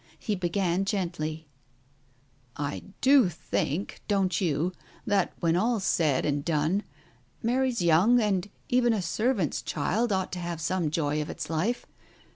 He began gently —" I do think, don't you ? that when all's said and done, Mary's young, and even a servant's child ought to have some joy of its life.